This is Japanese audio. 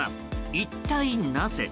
一体なぜ？